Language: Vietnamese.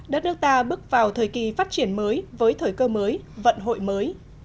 đất nước ta bước vào thời kỳ phát triển mới với thời cơ mới vận hội mới